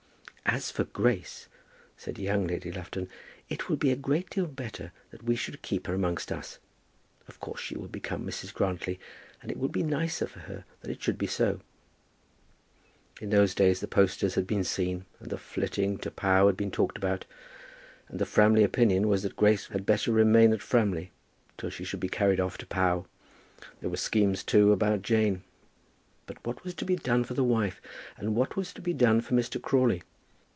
"As for Grace," said young Lady Lufton, "it will be a great deal better that we should keep her amongst us. Of course she will become Mrs. Grantly, and it will be nicer for her that it should be so." In those days the posters had been seen, and the flitting to Pau had been talked of, and the Framley opinion was that Grace had better remain at Framley till she should be carried off to Pau. There were schemes, too, about Jane. But what was to be done for the wife? And what was to be done for Mr. Crawley?